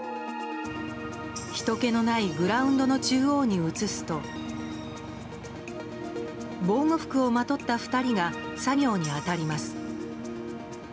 ひとけのないグラウンドの中央に移すと防護服をまとった２人が作業に当たります。